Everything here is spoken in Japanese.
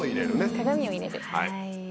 鏡を入れる。